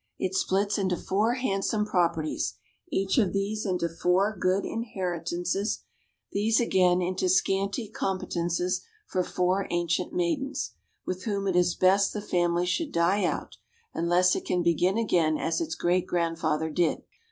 It splits into four handsome properties; each of these into four good inheritances; these, again, into scanty competences for four ancient maidens, with whom it is best the family should die out, unless it can begin again as its great grandfather did.